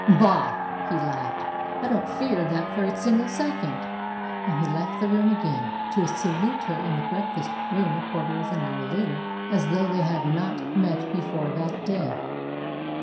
"Bah!" he laughed, "I don't fear that for a single second." And he left the room again, to salute her in the breakfast room a quarter of an hour later as though they had not met before that day.